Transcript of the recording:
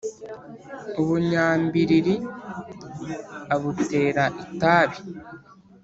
U Bunyambilili abutera itabi.